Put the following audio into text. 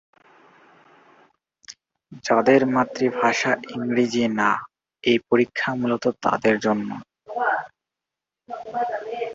যাদের মাতৃভাষা ইংরেজি না এই পরীক্ষা মূলত তাদের জন্য।